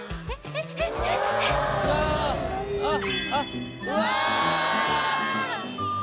あっ